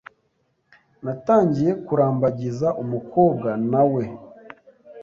natangiye kurambagiza umukobwa na we